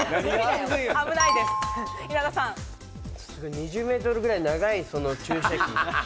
２０ｍくらい長い注射器。